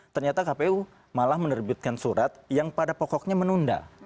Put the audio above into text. ternyata kpu malah menerbitkan surat yang pada pokoknya menunda